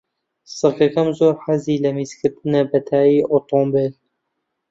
سەگەکەم زۆر حەزی لە میزکردنە بە تایەی ئۆتۆمۆبیل.